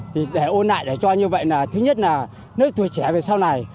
thì để ôn lại để cho như vậy là thứ nhất là nước tuổi trẻ về sau này